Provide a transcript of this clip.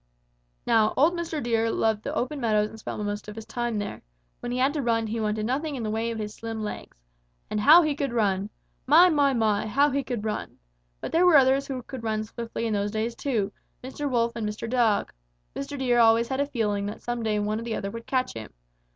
"Now old Mr. Deer loved the open meadows and spent most of his time there. When he had to run, he wanted nothing in the way of his slim legs. And how he could run! My, my, my, how he could run! But there were others who could run swiftly in those days too, Mr. Wolf and Mr. Dog. Mr. Deer always had a feeling that some day one or the other would catch him.